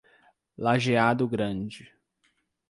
Lajeado Grande